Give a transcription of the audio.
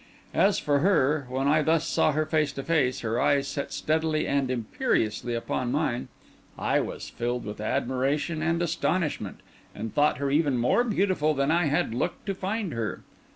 As for her, when I thus saw her face to face, her eyes set steadily and imperiously upon mine, I was filled with admiration and astonishment, and thought her even more beautiful than I had looked to find her.